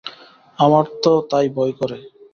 আমার তো তাই ভয় করে।